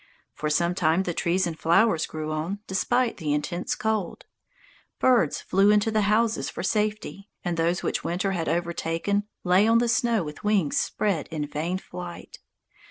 For some time the trees and flowers grew on, despite the intense cold. Birds flew into the houses for safety, and those which winter had overtaken lay on the snow with wings spread in vain flight.